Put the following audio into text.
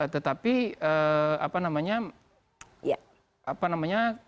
tetapi apa namanya